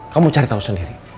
kamu cari tau sendiri